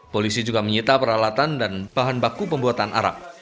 polisi juga menyita peralatan dan bahan baku pembuatan arak